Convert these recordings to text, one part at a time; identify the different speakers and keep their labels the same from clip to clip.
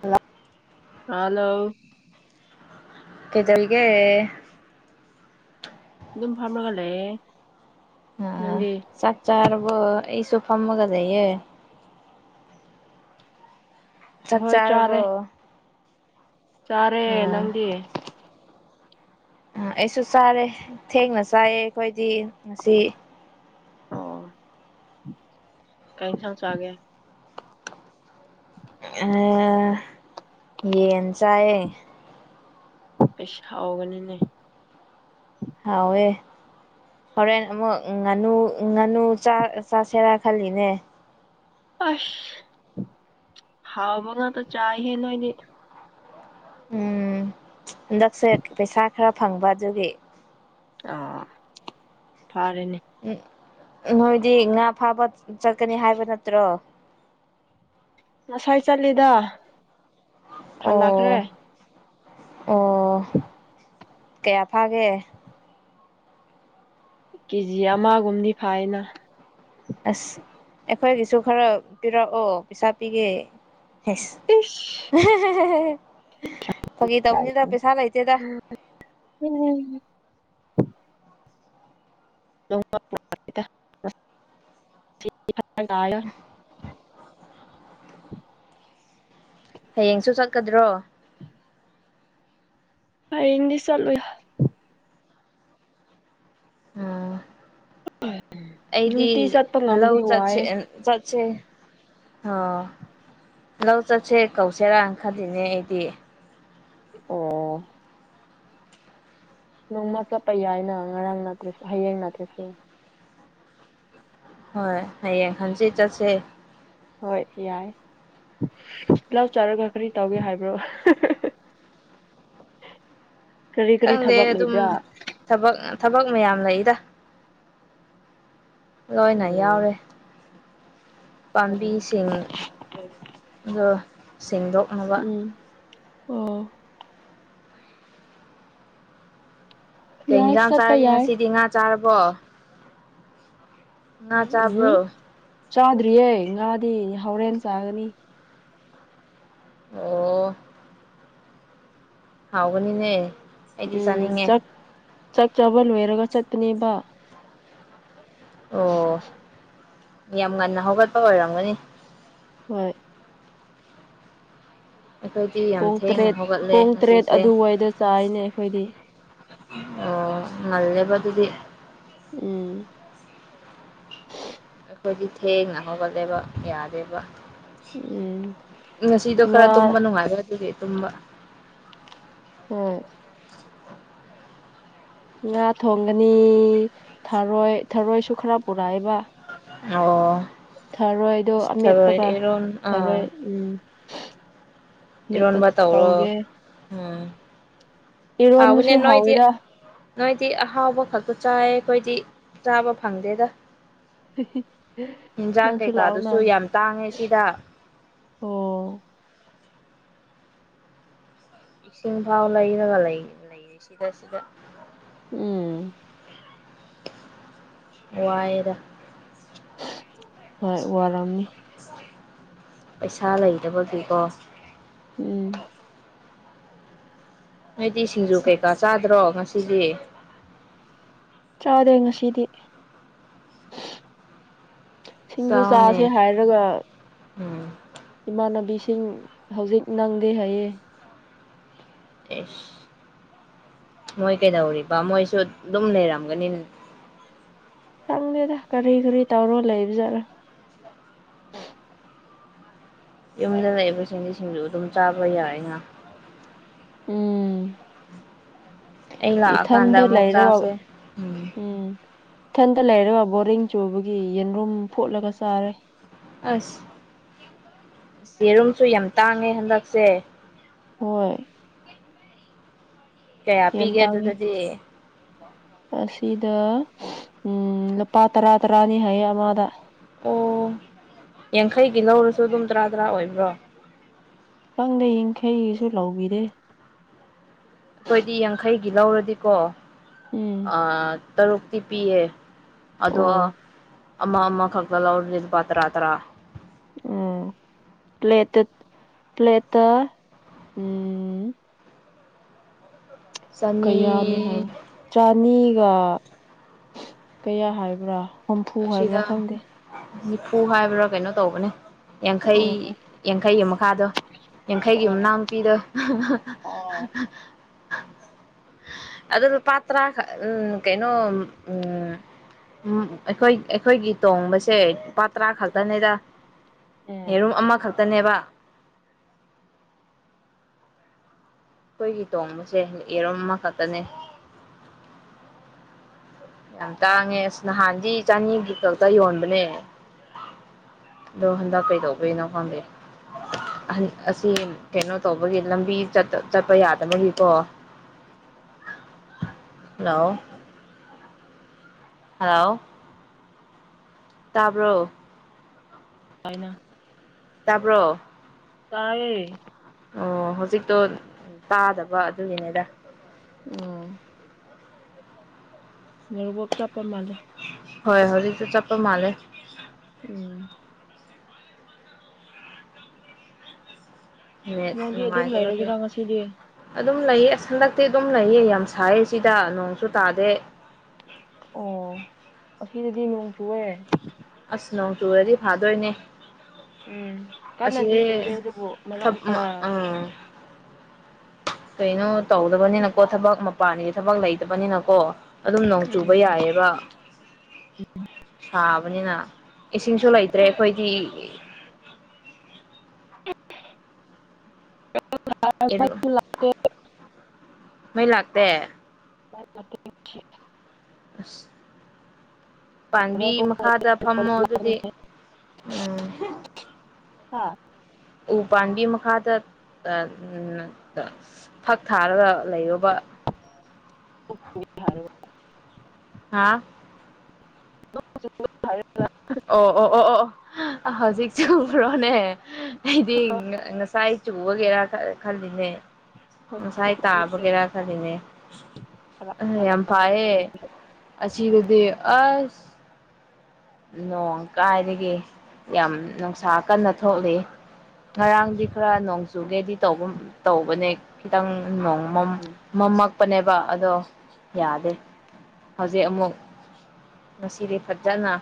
Speaker 1: Hello
Speaker 2: hello
Speaker 1: ꯀꯩꯗꯧꯔꯤꯒꯦ
Speaker 2: ꯑꯗꯨꯝ ꯐꯝꯕꯒ ꯂꯩꯌꯦ
Speaker 1: ꯑꯥ
Speaker 2: ꯅꯪꯗꯤ
Speaker 1: ꯆꯥꯛ ꯆꯥꯔꯕꯣ ꯑꯩꯁꯨ ꯐꯝꯃꯒ ꯂꯩꯌꯦ ꯆꯥꯛ
Speaker 2: ꯍꯣꯏ
Speaker 1: ꯆꯥꯔꯕꯣ
Speaker 2: ꯆꯥꯔꯦ ꯆꯥꯔꯦ
Speaker 1: ꯑ
Speaker 2: ꯅꯪꯗꯤ
Speaker 1: ꯎꯝ ꯑꯩꯁꯨ ꯆꯥꯔꯦ ꯊꯦꯡꯅ ꯆꯥꯏꯑꯦ ꯑꯩꯈꯣꯏꯗꯤ ꯉꯁꯤ
Speaker 2: ꯑꯣ ꯀꯩ ꯏꯟꯁꯥꯡ ꯆꯥꯒꯦ
Speaker 1: ꯑ ꯌꯦꯟ ꯆꯥꯏꯌꯦ
Speaker 2: ꯑꯩ ꯁꯥꯎꯒꯅꯤꯅꯦ
Speaker 1: ꯍꯥꯎꯋꯦ ꯍꯣꯔꯦꯟ ꯑꯃꯨꯛ ꯉꯥꯅꯨ ꯉꯥꯅꯨ ꯆꯥ ꯆꯥꯁꯦꯔꯥ ꯈꯜꯂꯤꯅꯦ
Speaker 2: ꯑꯁ ꯍꯥꯎꯕ ꯉꯥꯛꯇ ꯆꯥꯏꯍꯦ ꯅꯣꯏꯗꯤ
Speaker 1: ꯎꯝ ꯍꯟꯗꯛꯁꯦ ꯄꯩꯁꯥ ꯈꯔ ꯐꯪꯕ ꯑꯗꯨꯒꯤ
Speaker 2: ꯑꯣ ꯐꯥꯔꯦꯅꯦ
Speaker 1: ꯅꯣꯏꯗꯤ ꯉꯥ ꯐꯥꯕ ꯆꯠꯀꯅꯤ ꯍꯥꯏꯕ ꯅꯠꯇ꯭ꯔꯣ
Speaker 2: ꯉꯁꯥꯏ ꯆꯠꯂꯦꯗ ꯍꯜꯂꯛꯈ꯭ꯔꯦ
Speaker 1: ꯑꯣ ꯑꯣ ꯀꯌꯥ ꯐꯥꯒꯦ
Speaker 2: ꯀꯦꯖꯤ ꯑꯃꯒꯨꯝꯅꯤ ꯐꯥꯏꯅ
Speaker 1: ꯑꯁ ꯑꯩꯈꯣꯏꯒꯤꯁꯨ ꯈꯔ ꯄꯤꯔꯛꯑꯣ ꯄꯩꯁꯥ ꯄꯤꯒꯦ ꯍꯦꯁ
Speaker 2: ꯏꯁ
Speaker 1: ꯑꯍꯦꯍꯦꯍꯦ ꯐꯥꯒꯤ ꯇꯧꯅꯤꯗ ꯄꯩꯁꯥ ꯂꯩꯇꯦꯗ
Speaker 2: ꯑꯟꯏꯟꯇꯦꯜꯂꯤꯖꯦꯕꯜ ꯑꯟꯏꯟꯇꯦꯜꯂꯤꯖꯦꯕꯜ ꯑꯟꯑꯣꯗꯤꯕꯜ
Speaker 1: ꯍꯌꯦꯡꯁꯨ ꯆꯠꯀꯗ꯭ꯔꯣ
Speaker 2: ꯍꯥꯌꯦꯡꯗꯤ ꯆꯠꯂꯣꯏ
Speaker 1: ꯎꯝ ꯑꯩꯗꯤ
Speaker 2: ꯅꯨꯡꯇꯤ ꯆꯠꯄ
Speaker 1: ꯂꯧ
Speaker 2: ꯉꯝꯗꯦ
Speaker 1: ꯆꯠꯁꯦ
Speaker 2: ꯋꯥꯏꯑꯦ
Speaker 1: ꯑꯦ ꯆꯠ ꯁꯦ ꯑ ꯂꯧ ꯆꯠꯁꯦ ꯀꯧꯁꯦꯔꯥ ꯈꯜꯂꯤꯅꯦ ꯑꯩꯗꯤ꯫
Speaker 2: ꯑꯣ ꯅꯣꯡꯃ ꯆꯠꯄ ꯌꯥꯏꯅ ꯉꯔꯥꯡ ꯅꯠꯇ꯭ꯔꯁꯨ ꯍꯌꯦꯡ ꯅꯠꯇ꯭ꯔꯁꯨ
Speaker 1: ꯍꯣꯏ ꯍꯌꯦꯡ ꯈꯟꯁꯦ ꯆꯠꯁꯦ
Speaker 2: ꯍꯣꯏ ꯌꯥꯏ ꯂꯞ ꯆꯥꯔꯒ ꯀꯔꯤ ꯇꯧꯒꯦ ꯍꯥꯏꯕ꯭ꯔꯣ ꯀꯔꯤ ꯀꯔꯤ
Speaker 1: ꯈꯪꯗꯦ
Speaker 2: ꯊꯕꯛ
Speaker 1: ꯑꯗꯨꯝ
Speaker 2: ꯂꯩꯕ꯭ꯔꯥ
Speaker 1: ꯊꯕꯛ ꯃꯌꯥꯝ ꯂꯩꯗ ꯂꯣꯏꯅ ꯌꯥꯎꯔꯦ
Speaker 2: ꯑꯣ
Speaker 1: ꯄꯥꯝꯕꯤꯁꯤꯡꯗ ꯁꯦꯡꯗꯣꯛꯅꯕ
Speaker 2: ꯎꯝ ꯑꯣ
Speaker 1: ꯀꯩ
Speaker 2: ꯌꯥꯏ
Speaker 1: ꯌꯦꯟꯖꯥꯡ
Speaker 2: ꯆꯠꯄ
Speaker 1: ꯆꯥꯔꯒꯦ
Speaker 2: ꯌꯥꯏ
Speaker 1: ꯉꯁꯤꯗꯤ ꯉꯥ ꯆꯥꯔꯕꯣ ꯉ
Speaker 2: ꯎꯝ
Speaker 1: ꯆꯥꯕ꯭ꯔꯣ
Speaker 2: ꯆꯥꯗ꯭ꯔꯤꯌꯦ ꯉꯥꯗꯤ ꯍꯣꯔꯦꯟ ꯆꯥꯒꯅꯤ
Speaker 1: ꯑꯣ ꯍꯥꯎꯒꯅꯤꯅꯦ ꯑꯩꯗꯤ
Speaker 2: ꯎꯝ
Speaker 1: ꯆꯥꯅꯤꯡꯉꯦ
Speaker 2: ꯆꯥꯛ ꯆꯥꯛ ꯆꯥꯕ ꯂꯣꯏꯔꯒ ꯆꯠꯇꯄꯅꯦꯕ
Speaker 1: ꯑꯣ ꯌꯥꯝ ꯉꯟꯅ ꯍꯧꯒꯠꯄ ꯑꯣꯏꯔꯝꯒꯅꯤ
Speaker 2: ꯍꯣꯏ
Speaker 1: ꯑꯩꯈꯣꯏꯗꯤ ꯌꯥꯝ
Speaker 2: ꯄꯨꯡ
Speaker 1: ꯊꯦꯡꯅ
Speaker 2: ꯇꯔꯦꯠ
Speaker 1: ꯍꯧꯒꯠꯂꯦ
Speaker 2: ꯄꯨꯡ ꯇꯔꯦꯠ
Speaker 1: ꯉꯁꯤꯁꯦ
Speaker 2: ꯑꯗꯨꯋꯥꯏꯗ ꯆꯥꯏꯅꯦ ꯑꯩꯈꯣꯏꯗꯤ
Speaker 1: ꯑꯣ ꯉꯜꯂꯦꯕꯥ ꯑꯗꯨꯗꯤ
Speaker 2: ꯎꯝ
Speaker 1: ꯑꯩꯈꯣꯏꯗꯤ ꯊꯦꯡꯅ ꯍꯧꯒꯠꯂꯦꯕ ꯌꯥꯗꯦꯕ
Speaker 2: ꯎꯝ
Speaker 1: ꯉꯁꯤꯗꯣ
Speaker 2: ꯉꯥ
Speaker 1: ꯈꯔ ꯇꯨꯝꯕ ꯅꯨꯡꯉꯥꯏꯔ ꯑꯗꯨꯗꯤ ꯇꯨꯝꯕ
Speaker 2: ꯍ ꯉꯥ ꯊꯣꯡꯒꯅꯤ ꯊꯔꯣꯏ ꯊꯥꯔꯣꯏꯁꯨ ꯈꯔ ꯄꯨꯔꯛꯑꯕ
Speaker 1: ꯑꯣꯔꯣ
Speaker 2: ꯑꯃꯦꯠꯄꯒ
Speaker 1: ꯑꯦꯔꯣꯝ ꯑ
Speaker 2: ꯊꯔꯣꯏ ꯎꯝ ꯃꯦꯠꯄ
Speaker 1: ꯇꯔꯣꯟꯃ ꯇꯧꯔꯣ
Speaker 2: ꯇꯧꯒꯦ
Speaker 1: ꯎꯝ ꯍꯥꯎꯕꯅꯦ
Speaker 2: ꯏꯔꯣꯟꯕꯁꯨ
Speaker 1: ꯅꯣꯏꯗꯤ
Speaker 2: ꯍꯥꯎꯋꯤꯗ
Speaker 1: ꯅꯣꯏꯗꯤ ꯍꯥꯎꯕ ꯐ ꯆꯥꯏ ꯑꯩꯈꯣꯏꯗꯤ ꯆꯥꯕ ꯐꯪꯗꯦꯗ ꯌꯦꯟꯖꯥꯡ
Speaker 2: ꯅꯪꯁꯨ ꯂꯥꯛꯑꯣꯅ
Speaker 1: ꯀꯩꯀꯥꯗꯨꯁꯨ ꯌꯥꯝ ꯇꯥꯡꯉꯦ ꯁꯤꯗ
Speaker 2: ꯑꯣ
Speaker 1: ꯏꯁꯤꯡ ꯐꯥꯎ ꯂꯩꯔꯒ ꯂꯩꯔꯤ ꯁꯤꯗ ꯁꯤꯗ
Speaker 2: ꯎꯝ
Speaker 1: ꯋꯥꯏꯔ
Speaker 2: ꯍꯣꯏ ꯑꯔꯝꯅꯤ
Speaker 1: ꯄꯩꯁꯥ ꯂꯩꯗꯕꯒꯤꯀꯣ
Speaker 2: ꯎꯝ
Speaker 1: ꯅꯗꯤ ꯁꯤꯡꯖꯨ ꯀꯩꯀꯥ ꯆꯥꯗ꯭ꯔꯣ ꯉꯁꯤꯗꯤ
Speaker 2: ꯆꯥꯗꯦ ꯉꯁꯤꯗꯤ ꯁꯤꯡꯖꯨ
Speaker 1: ꯆꯥꯎꯅꯦ
Speaker 2: ꯆꯥꯁꯦ ꯍꯥꯏꯔꯒ
Speaker 1: ꯎꯝ
Speaker 2: ꯏꯃꯥꯟꯅꯕꯤꯁꯤꯡ ꯍꯧꯖꯤꯛ ꯅꯪꯗꯦ ꯍꯥꯏꯌꯦ
Speaker 1: ꯑꯦꯐ ꯃꯣꯏ ꯀꯩꯗꯧꯔꯤꯕ ꯃꯣꯏꯁꯨ ꯑꯗꯨꯝ ꯂꯩꯔꯝꯒꯅꯤ
Speaker 2: ꯈꯪꯗꯦꯗ ꯀꯔꯤ ꯀꯔꯤ ꯇꯧꯔꯣ ꯂꯩꯕꯖꯥꯔ
Speaker 1: ꯌꯨꯝꯗ ꯂꯩꯕ ꯆꯦꯟꯗꯤꯁꯤꯡꯁꯨ ꯑꯗꯨꯝ ꯆꯥꯕ ꯌꯥꯏ ꯉꯥ
Speaker 2: ꯎꯝ
Speaker 1: ꯑꯩ ꯂꯥꯛꯑꯀꯥꯟꯗ
Speaker 2: ꯏꯊꯟꯗ
Speaker 1: ꯑꯃꯨꯛ
Speaker 2: ꯂꯩꯔꯒ
Speaker 1: ꯆꯥꯁꯦ
Speaker 2: ꯎꯝ ꯏꯊꯟꯇ ꯂꯩꯔꯒ ꯕꯣꯔꯤꯡ ꯆꯨꯕꯒꯤ ꯌꯦꯟꯔꯨꯝ ꯐꯨꯠꯂꯒ ꯆꯥꯔꯦ
Speaker 1: ꯑꯁ ꯌꯦꯦꯔꯨꯝꯁꯨ ꯌꯥꯝ ꯇꯥꯡꯉꯦ ꯍꯟꯗꯛꯁꯦ
Speaker 2: ꯍꯣꯏ
Speaker 1: ꯀꯌꯥ
Speaker 2: ꯌꯥꯝ
Speaker 1: ꯄꯤꯒꯦ
Speaker 2: ꯇꯥꯡꯉꯦ
Speaker 1: ꯑꯗꯨꯗꯗꯤ
Speaker 2: ꯑꯁꯤꯗ ꯎꯝ ꯂꯨꯄꯥ ꯇꯔꯥ ꯇꯔꯥꯅꯤ ꯍꯥꯏꯌꯦ ꯑꯃꯗ
Speaker 1: ꯑꯣ ꯌꯥꯡꯈꯩꯒꯤ ꯂꯧꯔꯁꯨ ꯑꯗꯨꯝ ꯇꯔꯥ ꯇꯔꯥ ꯑꯣꯏꯕ꯭ꯔꯣ
Speaker 2: ꯅꯪꯗ ꯌꯥꯡꯈꯩꯁꯨ ꯂꯧꯕꯤꯔꯦ
Speaker 1: ꯑꯩꯣꯏꯗꯤ ꯌꯥꯡꯈꯩꯒꯤ ꯂꯧꯔꯗꯤꯀꯣ
Speaker 2: ꯎꯝ
Speaker 1: ꯇꯔꯨꯛꯇꯤ ꯄꯤꯌꯦ ꯑꯗꯣ
Speaker 2: ꯑꯣ
Speaker 1: ꯑꯃ ꯑꯃ ꯈꯛꯇ ꯂꯧꯔꯦ ꯂꯨꯄꯥ ꯇꯔꯥ ꯇꯔꯥ
Speaker 2: ꯑꯥ ꯄ꯭ꯂꯦꯇ ꯄ꯭ꯂꯦꯇ ꯎꯝ ꯀꯌꯥꯅꯤ ꯍꯥꯏ
Speaker 1: ꯆꯅꯤ
Speaker 2: ꯆꯥꯅꯤ ꯀꯌꯥ ꯍꯥꯏꯕ꯭ꯔꯥ ꯍꯨꯝꯐꯨ ꯍꯥꯏꯕ꯭ꯔꯥ
Speaker 1: ꯑꯁꯤꯗ
Speaker 2: ꯈꯪꯗꯦ
Speaker 1: ꯅꯤꯐꯨ ꯍꯥꯏꯕ꯭ꯔꯥ ꯀꯩꯅꯣ ꯇꯧꯕꯅꯦ ꯌꯥꯡꯈꯩ
Speaker 2: ꯎꯝ
Speaker 1: ꯌꯥꯡꯈꯩ ꯃꯈꯥꯗꯣ ꯌꯥꯡꯈꯩꯒꯤ ꯑꯃꯅꯥ
Speaker 2: ꯑꯣ
Speaker 1: ꯑꯃꯨꯛ ꯄꯤꯗ
Speaker 2: ꯑꯣ [unintelligible] [inaudible]
Speaker 1: ꯑ ꯄꯥ ꯎꯝ ꯀꯩꯅꯣ ꯎꯝ ꯑꯩꯈꯣꯏ ꯑꯩꯈꯣꯏꯒꯤ ꯇꯣꯡꯕꯁꯦ ꯂꯨꯄꯥ ꯇꯔꯥ
Speaker 2: ꯎꯝ
Speaker 1: ꯈꯛꯇꯅꯤꯗ
Speaker 2: ꯎꯝ
Speaker 1: ꯌꯦꯔꯨꯝ ꯑꯃꯈꯛꯇ ꯟꯕ [inaudible] ꯑꯩꯈꯣꯏꯒꯤ ꯇꯣꯡꯕꯁꯦ ꯌꯦꯔꯣꯝ ꯑꯃꯈꯛꯇꯅꯦ ꯌꯥꯝ ꯇꯥꯡꯉꯦ ꯑꯁ ꯅꯍꯥꯟꯗꯤ ꯆꯅꯤꯒꯤ ꯈꯛꯇ ꯌꯣꯟꯕꯅꯦ ꯑꯗꯣ ꯍꯟꯗꯛ ꯀꯩꯗꯧꯕꯩꯅꯣ ꯈꯥꯟꯗ ꯑꯁꯤ ꯀꯩꯅꯣ ꯇꯧꯕꯒꯤ ꯂꯝꯕꯤ ꯆꯠꯄ ꯌꯥꯗꯕꯒꯤꯀꯣ
Speaker 2: ꯍ [unintelligible] [inaudible]
Speaker 1: ꯂꯑꯣ ꯍꯂꯣ ꯇꯥꯕ꯭ꯔꯣ
Speaker 2: ꯇꯥꯏꯅ
Speaker 1: ꯇꯄ꯭ꯔꯣ
Speaker 2: ꯇꯥꯋꯦ
Speaker 1: ꯑꯣ ꯍꯧꯖꯤꯛꯇꯣ ꯇꯥꯗꯕ ꯑꯗꯨꯒꯤꯅꯦꯗ
Speaker 2: ꯎꯃꯝ ꯅꯔꯕꯣꯛ ꯆꯠꯄ ꯃꯥꯜꯂꯦ
Speaker 1: ꯍꯣꯏ ꯍꯣꯏ ꯑꯗꯨꯗꯤ ꯆꯠꯄ ꯃꯥꯂꯦ
Speaker 2: ꯎꯝ ꯅꯪꯗꯤ ꯑꯗꯨꯝ
Speaker 1: ꯅꯨꯡꯉꯥꯏꯖꯕ
Speaker 2: ꯂꯩꯔꯒꯦꯔꯥ ꯉꯁꯤꯗꯤ
Speaker 1: ꯑꯗꯨꯝ ꯂꯩꯑ ꯍꯟꯗꯛꯇꯤ ꯑꯗꯨꯝ ꯂꯩꯑ ꯌꯥꯝ ꯁꯥꯏꯌꯦ ꯁꯤꯗ ꯅꯣꯡꯁꯨ ꯇꯥꯗꯦ
Speaker 2: ꯑꯣ ꯑꯁꯤꯗꯗꯤ ꯅꯣꯡ ꯆꯨ ꯑꯣꯏꯔꯦ
Speaker 1: ꯑꯁ ꯅꯣꯡ ꯇꯨꯔꯗꯤ ꯐꯥꯗꯣꯏꯅꯦ
Speaker 2: ꯎꯝ ꯀꯟꯅꯗꯤ
Speaker 1: ꯑꯁꯤꯁꯦ
Speaker 2: ꯆꯨꯗꯦ ꯑꯗꯨꯕꯨ
Speaker 1: ꯊ
Speaker 2: ꯃꯔꯛ ꯑꯥ
Speaker 1: ꯑꯝ ꯀꯩꯅꯣ ꯇꯧꯗꯕꯅꯤꯅꯀꯣ ꯊꯕꯛ ꯃꯄꯥꯟꯗꯤ ꯊꯕꯛ ꯂꯩꯇꯕꯅꯤꯅꯀꯣ ꯑꯗꯨꯝ ꯅꯣꯡ ꯆꯨꯕ
Speaker 2: ꯎꯝ
Speaker 1: ꯌꯥꯏꯑꯕ ꯁꯥꯕꯅꯤꯅ ꯏꯁꯤꯡꯁꯨ ꯂꯩꯇ꯭ꯔꯦ ꯑꯩꯈꯣꯏꯗꯤ ꯑꯦꯔ ꯃꯩ ꯂꯥꯛꯇꯦ
Speaker 2: ꯃꯇ
Speaker 1: ꯑꯁ ꯄꯥꯝꯕꯤ ꯃꯈꯥꯗ ꯐꯝꯃꯣ ꯑꯗꯨꯗꯤ ꯎꯝ
Speaker 2: ꯍꯥꯥ
Speaker 1: ꯎ ꯄꯥꯥꯟꯕꯤ ꯃꯈꯥꯗ ꯐꯛ ꯊꯥꯔꯒ ꯂꯩꯔꯨꯕ
Speaker 2: ꯊꯔ
Speaker 1: ꯍꯥꯥ
Speaker 2: [unintelligible] [inaudible]
Speaker 1: ꯑꯣ ꯑꯣ ꯑꯣ ꯑꯣ ꯑꯣ ꯍꯧꯖꯤꯛꯁꯨ ꯎ꯭ꯔꯣꯅꯦ ꯑꯩꯗꯤ ꯉꯁꯥꯏ ꯆꯨ ꯒꯦꯔ ꯈꯜꯂꯤꯅꯦ ꯉꯁꯥꯏꯥꯏꯇꯥ ꯒꯦꯔ ꯈꯜꯂꯤꯅꯦ ꯑ ꯌꯥꯝ ꯄꯥꯏꯌꯦ ꯑꯁꯤꯗꯗꯤ ꯑꯁ ꯅꯣꯡ ꯀꯥꯏꯗꯒꯤ ꯌꯥꯝ ꯅꯨꯡꯁꯥ ꯀꯟꯅ ꯊꯣꯛꯂꯤ ꯉꯔꯥꯡꯗꯤ ꯈꯔ ꯅꯣꯡ ꯆꯨꯒꯦꯗꯤ ꯇꯧꯕ ꯇꯧꯕꯅꯦ ꯈꯤꯇꯪ [unintelligible] ꯄꯅꯦꯕ ꯑꯗꯣ ꯌꯥꯗꯦ ꯍꯧꯖꯤꯛ ꯑꯃꯨꯛ ꯉꯁꯤꯗꯤ ꯐꯖꯅ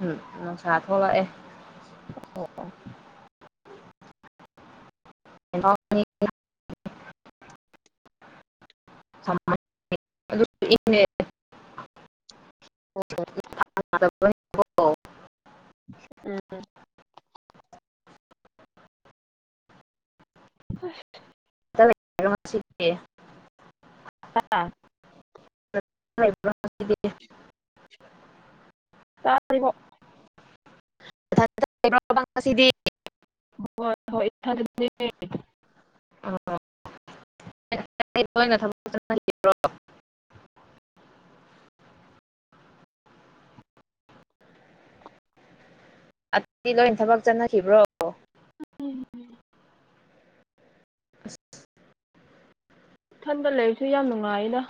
Speaker 1: ꯎꯝ ꯅꯨꯡꯁꯥ ꯊꯣꯛꯂꯛꯑꯦ
Speaker 2: ꯑꯣ ꯑꯣ
Speaker 1: [unintelligible] [unintelligible]
Speaker 2: [unintelligible] ꯑꯁ
Speaker 1: [unintelligible]
Speaker 2: [unintelligible]
Speaker 1: [unintelligible]
Speaker 2: [unintelligible]
Speaker 1: [unintelligible]
Speaker 2: [unintelligible]
Speaker 1: [unintelligible] ꯂꯣꯏꯅ ꯊꯕꯛ ꯆꯠꯅ ꯈꯤꯕꯣ ꯑꯗꯨꯗꯤ ꯂꯣꯏ ꯊꯕꯛ ꯆꯠꯅꯈꯤꯕ꯭ꯔꯣ
Speaker 2: ꯏꯊꯟꯗ ꯂꯩꯔꯁꯨ ꯌꯥꯝ ꯅꯨꯡꯉꯥꯏꯅ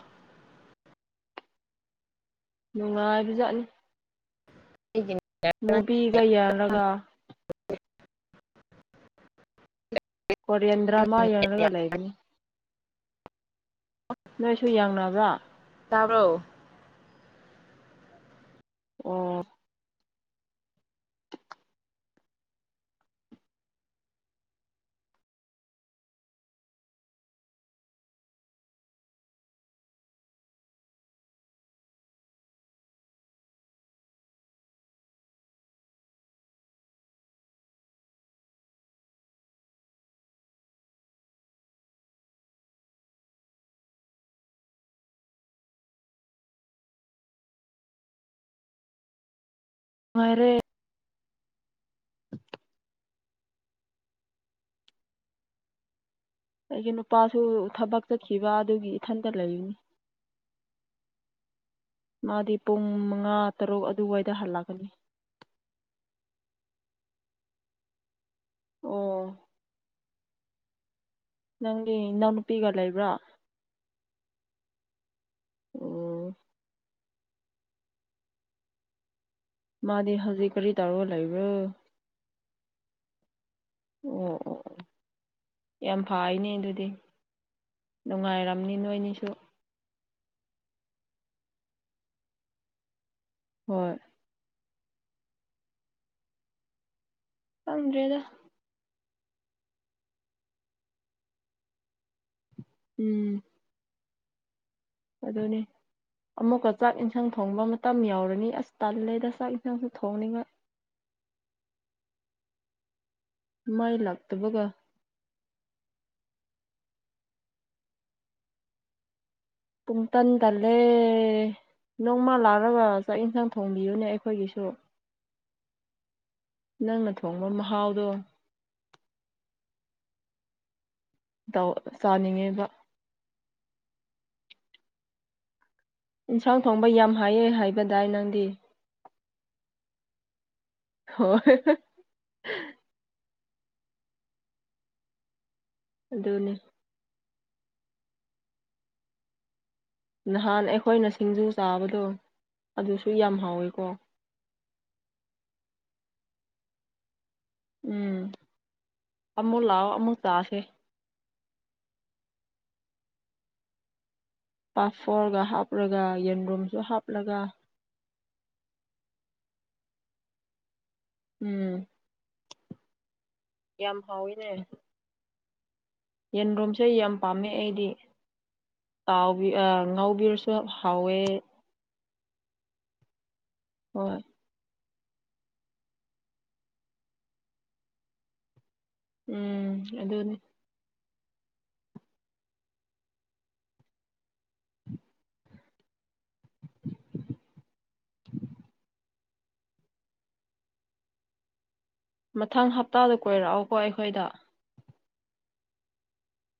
Speaker 2: ꯅꯨꯡꯉꯥꯏꯕꯖꯥꯠꯂꯤ
Speaker 1: ꯑꯩꯒꯤ
Speaker 2: ꯃꯨꯕꯤꯒ ꯌꯥꯜꯂꯒ ꯀꯣꯔꯤꯌꯟ ꯗ꯭ꯔꯥꯃ ꯌꯦꯡꯂꯒꯥ ꯂꯩꯕꯅꯤ ꯅꯣꯏꯁꯨ ꯌꯥꯡꯅꯕ꯭ꯔꯥ
Speaker 1: ꯇꯥꯕ꯭ꯔꯣ
Speaker 2: ꯑꯣ ꯋꯔꯦ ꯑꯩꯒꯤ ꯅꯨꯄꯥꯁꯨ ꯊꯕꯛ ꯆꯠꯈꯤꯕ ꯑꯗꯨꯒꯤ ꯏꯊꯟꯇ ꯂꯩꯔꯤꯅꯤ ꯃꯥꯗꯤ ꯄꯨꯡ ꯃꯉꯥ ꯇꯔꯨꯛ ꯑꯗꯨꯋꯥꯏꯗ ꯍꯜꯂꯛꯀꯅꯤ ꯑꯣ ꯅꯪꯒꯤ ꯏꯅꯥꯎꯅꯨꯄꯤꯒ ꯂꯩꯕ꯭ꯔꯥ ꯑꯣ ꯃꯥꯗꯤ ꯍꯧꯖꯤꯛ ꯀꯔꯤ ꯇꯔꯒ ꯂꯩꯕ꯭ꯔꯣ ꯑꯣ ꯑꯣ ꯑꯣ ꯌꯥꯝ ꯐꯥꯏꯅꯦ ꯑꯗꯨꯗꯤ ꯅꯨꯡꯉꯥꯏꯔꯝꯅꯤ ꯅꯣꯏꯅꯤꯁꯨ ꯍꯣꯏ ꯈꯪꯗ꯭ꯔꯦꯗ ꯎꯝ ꯑꯗꯣꯅꯦ ꯑꯃꯨꯛꯀ ꯆꯥꯛ ꯏꯟꯁꯥꯡ ꯊꯣꯡꯕ ꯃꯇꯝ ꯌꯧꯔꯅꯤ ꯑꯁ ꯇꯜꯂꯦꯗ ꯆꯥꯛ ꯌꯦꯟꯁꯥꯡꯁꯨ ꯊꯣꯡꯅꯤꯡꯉꯥꯏ [inaudible] ꯃꯥꯏ ꯂꯥꯛꯇꯕꯒ ꯄꯨꯡ ꯇꯟ ꯇꯜꯂꯦ ꯅꯣꯡꯃ ꯂꯥꯛꯂꯒ ꯆꯥꯛ ꯏꯟꯁꯥꯡ ꯊꯣꯡꯕꯤꯌꯨꯅꯦ ꯑꯩꯈꯣꯏꯒꯤꯁꯨ ꯅꯪꯅ ꯊꯣꯡꯕ ꯃꯍꯥꯎꯗꯣ ꯆꯥꯅꯤꯡꯉꯤꯕ ꯌꯦꯟꯁꯥꯡ ꯊꯣꯡꯕ ꯌꯥꯝ ꯍꯥꯏꯑꯦ ꯍꯥꯏꯕꯗꯥꯏ ꯅꯪꯗꯤ ꯍꯣꯏ ꯑꯗꯨꯅꯦ ꯅꯍꯥꯟ ꯑꯩꯈꯣꯏꯅ ꯁꯤꯡꯖꯨ ꯆꯥꯕꯗꯣ ꯑꯗꯨꯁꯨ ꯌꯥꯝ ꯍꯥꯎꯋꯤꯀꯣ ꯎꯝ ꯑꯃꯨꯛ ꯂꯥꯛꯑꯣ ꯑꯃꯨꯛ ꯆꯥꯥꯁꯦ ꯄꯥꯐꯣꯔꯒ ꯍꯥꯞꯂꯒ ꯌꯦꯟꯔꯨꯝꯁꯨ ꯍꯥꯞꯂꯒ ꯎꯝ ꯌꯥꯝ ꯍꯥꯎꯋꯤꯅꯦ ꯌꯦꯟꯔꯣꯝꯁꯦ ꯌꯥꯝ ꯄꯥꯝꯃꯦ ꯑꯩꯗꯤ ꯇ ꯑ ꯉꯧꯕꯤꯔꯁꯨ ꯍꯥꯎꯋꯦ ꯍꯣꯏ ꯎꯝ ꯑꯗꯨꯗꯅꯤ ꯃꯊꯪ ꯍꯞꯇꯥꯗ ꯀꯣꯏꯔꯛꯑꯣꯀꯣ ꯑꯩꯈꯣꯏꯗ